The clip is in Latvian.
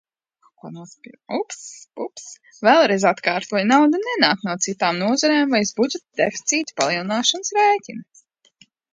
Vēlreiz atkārtoju: nauda nenāk no citām nozarēm vai uz budžeta deficīta palielināšanas rēķina.